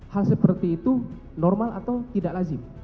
hal seperti itu normal atau tidak lazim